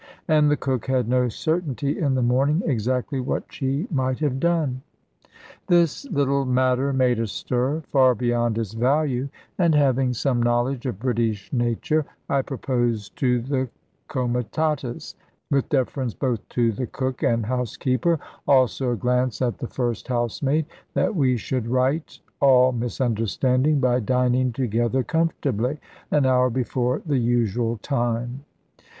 And the cook had no certainty in the morning, exactly what she might have done. This little matter made a stir far beyond its value; and having some knowledge of British nature, I proposed to the comitatus, with deference both to the cook and housekeeper, also a glance at the first housemaid, that we should right all misunderstanding by dining together comfortably, an hour before the usual time.